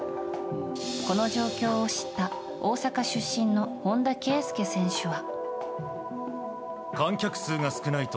この状況を知った大阪出身の本田圭佑選手は。